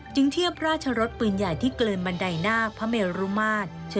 เทียบราชรสปืนใหญ่ที่เกินบันไดนาคพระเมรุมาตร